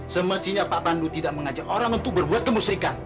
semestinya pak pandu tidak mengajak orang untuk berbuat kemusrikan